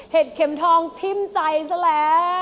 เข็มทองทิ้มใจซะแล้ว